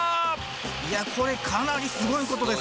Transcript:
いやこれかなりすごいことです